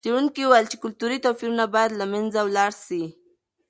څېړونکي وویل چې کلتوري توپیرونه باید له منځه ولاړ سي.